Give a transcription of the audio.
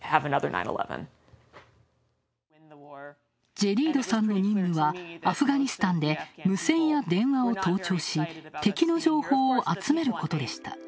ジェディードさんの任務はアフガニスタンで無線や電話を盗聴し、敵の情報を集めることでした。